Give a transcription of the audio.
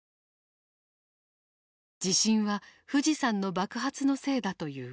地震は富士山の爆発のせいだといううわさ。